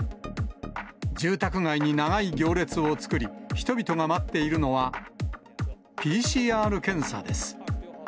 住宅街に長い行列を作り、人々が待っているのは、ＰＣＲ検査です。